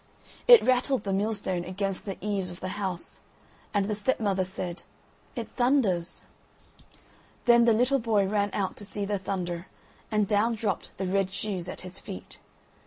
It rattled the millstone against the eaves of the house, and the stepmother said: "It thunders." Then the little boy ran out to see the thunder, and down dropped the red shoes at his feet.